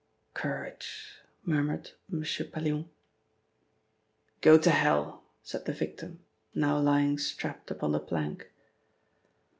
"Courage!" murmured M. Pallion. "Go to hell!" said the victim, now lying strapped upon the plank.